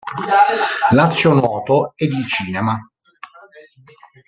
Lazio Nuoto, ed il cinema.